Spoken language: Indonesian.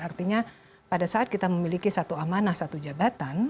artinya pada saat kita memiliki satu amanah satu jabatan